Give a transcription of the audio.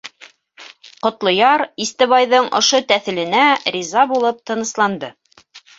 Ҡотлояр Истебайҙың ошо тәҫеленә риза булып тынысланды.